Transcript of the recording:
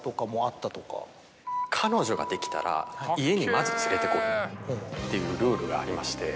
彼女ができたら家にまず連れて来いっていうルールがありまして。